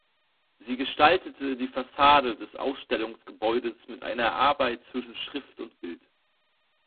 Sie gestaltete die Fassade des Ausstellungsgebäudes mit einer Arbeit zwischen Schrift und Bild.